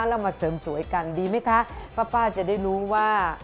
เรามาเสริมสวยกันดีไหมคะป้าจะได้รู้ว่า